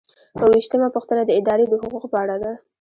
اووه ویشتمه پوښتنه د ادارې د حقوقو په اړه ده.